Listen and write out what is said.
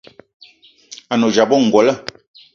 A ne odzap ayi ongolo.